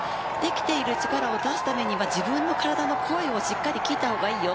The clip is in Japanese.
力を出すためには自分の体の声をしっかり聞いた方がいいよ。